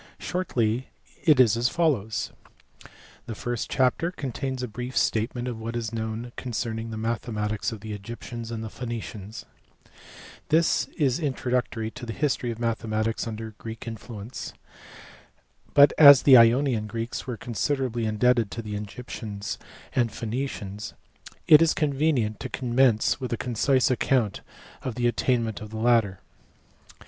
Shortly it is as follows. The first chapter contains a brief statement of what is known concerning the mathematics of the Egyptians and Phoenicians: this is introductory to the history of mathematics under Greek influence, but as the Ionian Greeks were considerably indebted to the Egyptians VI PREFACE. and Phoenicians it is convenient to commence with a concise account of the attainments of the latter.